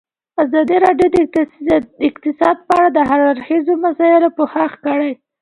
ازادي راډیو د اقتصاد په اړه د هر اړخیزو مسایلو پوښښ کړی.